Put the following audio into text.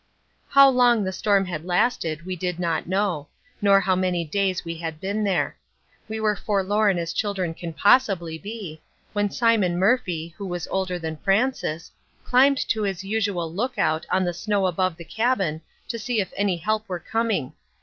How long the storm had lasted, we did not know, nor how many days we had been there. We were forlorn as children can possibly be, when Simon Murphy, who was older than Frances, climbed to his usual "look out" on the snow above the cabin to see if any help were coming.